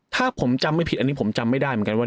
ถ้าผมจำไม่ผิดอันนี้ผมจำไม่ได้เหมือนกันว่า